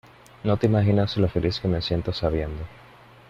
no te imaginas lo feliz que me siento sabiendo